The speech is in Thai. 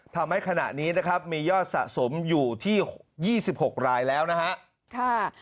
ทำให้ขณะนี้นะครับมียอดสะสมอยู่ที่๒๖รายแล้วนะครับ